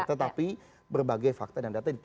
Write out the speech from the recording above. tetapi berbagai fakta dan data